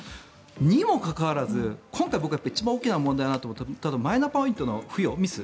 にもかかわらず、今回僕が一番大きな問題だと思うのはマイナポイントの付与ミス